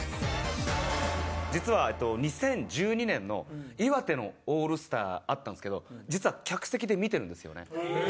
実は２０１２年の岩手のオールスターあったんですけど実は客席で見てるんですよね。